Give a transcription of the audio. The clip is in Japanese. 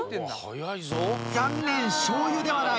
残念「しょうゆ」ではない。